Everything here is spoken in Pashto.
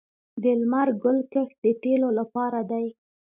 د لمر ګل کښت د تیلو لپاره دی